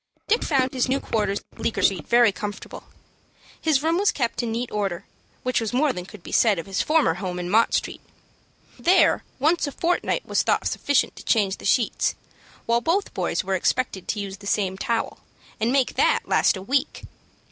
Dick found his new quarters in Bleecker Street very comfortable. His room was kept in neat order, which was more than could be said of his former home in Mott Street. There once a fortnight was thought sufficient to change the sheets, while both boys were expected to use the same towel, and make that last a week.